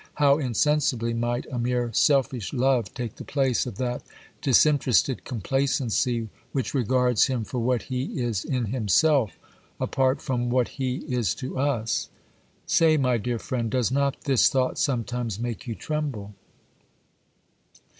how insensibly might a mere selfish love take the place of that disinterested complacency which regards Him for what He is in Himself, apart from what He is to us! Say, my dear friend, does not this thought sometimes make you tremble?